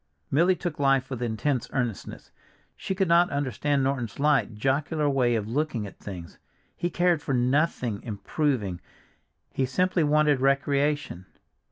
Milly took life with intense earnestness. She could not understand Norton's light, jocular way of looking at things; he cared for nothing "improving," he simply wanted recreation.